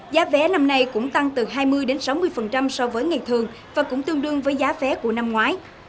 giá vé năm nay cũng tăng từ hai mươi sáu mươi so với ngày thường và cũng tương đương với giá vé của năm ngoái